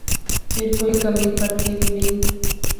فیر کوئِی کمی پرتی وی نئیں